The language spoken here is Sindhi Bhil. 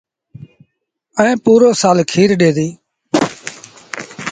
ائيٚݩ پورو سآل کير ڏي ديٚ۔